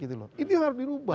itu yang harus dirubah